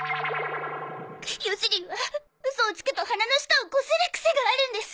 ヨシりんはウソをつくと鼻の下をこするクセがあるんです。